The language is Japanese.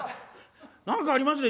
何かありますね。